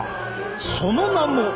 その名も。